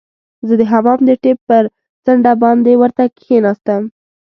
زه د حمام د ټپ پر څنډه باندې ورته کښیناستم.